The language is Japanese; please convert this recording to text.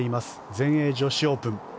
全英女子オープン。